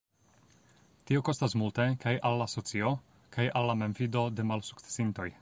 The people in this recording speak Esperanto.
Tio kostas multe kaj al la socio kaj al la memfido de malsukcesintoj.